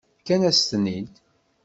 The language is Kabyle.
Fkan-asent-ten-id.